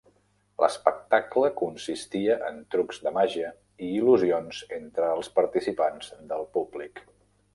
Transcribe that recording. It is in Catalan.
L'espectacle consistia en trucs de màgia i il·lusions entre els participants del públic.